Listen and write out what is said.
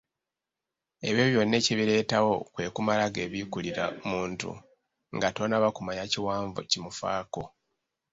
Ebyo byonna ekibireetawo kwe kumala geebikkulira muntu nga tonnaba nakumanya kiwanvu kimufaako.